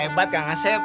hebat kak asep